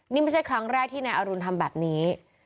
นี่ไม่ใช่ครั้งแรกที่นายอรุณทำแบบนี้